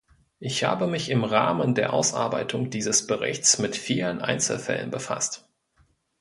Ich habe mich im Rahmen der Ausarbeitung dieses Berichts mit vielen Einzelfällen befasst.